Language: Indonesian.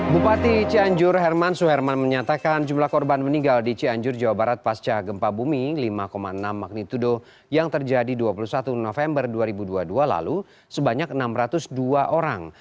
bupati cianjur herman suherman menyatakan jumlah korban meninggal di cianjur jawa barat pasca gempa bumi lima enam magnitudo yang terjadi dua puluh satu november dua ribu dua puluh dua lalu sebanyak enam ratus dua orang